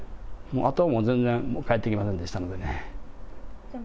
もうあとはもう全然返ってきませんでしたのでね。